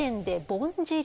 ぼんじり？